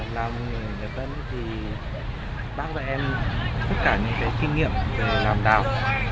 làm nghề thất thốn thì bác và em tất cả những kinh nghiệm về làm đào